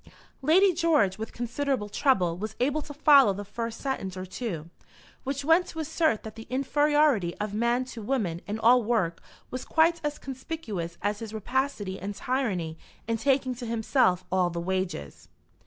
Lady George, with considerable trouble, was able to follow the first sentence or two, which went to assert that the inferiority of man to woman in all work was quite as conspicuous as his rapacity and tyranny in taking to himself all the wages.